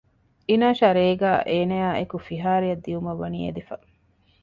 އިނާޝާ ރޭގައި އޭނައާއި އެކު ފިހާރަޔަކަށް ދިއުމަށްވަނީ އެދިފަ